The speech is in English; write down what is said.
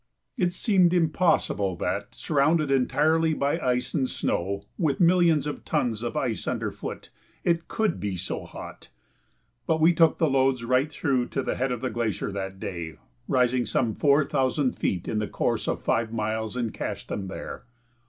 It seemed impossible that, surrounded entirely by ice and snow, with millions of tons of ice underfoot, it could be so hot. But we took the loads right through to the head of the glacier that day, rising some four thousand feet in the course of five miles, and cached them there.